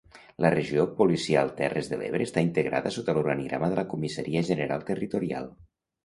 La Regió Policial Terres de l'Ebre està integrada sota l'organigrama de la Comissaria General Territorial.